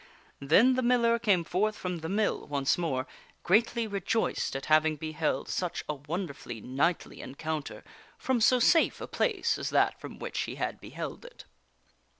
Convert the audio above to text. Then the miller came forth from the mill once more, greatly rejoiced at having beheld such a wonderfully knightly encounter from so safe a place as that from which he had beheld it.